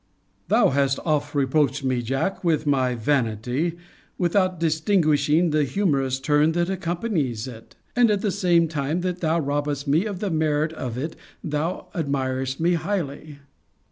Thou hast often reproached me, Jack, with my vanity, without distinguishing the humourous turn that accompanies it; and for which, at the same time that thou robbest me of the merit of it thou admirest me highly.